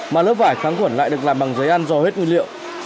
mà lớp vải kháng khuẩn lại được làm bằng giấy ăn dò hết nguyên liệu